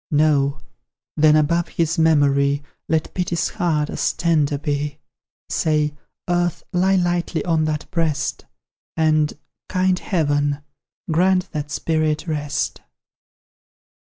No! Then above his memory Let Pity's heart as tender be; Say, "Earth, lie lightly on that breast, And, kind Heaven, grant that spirit rest!"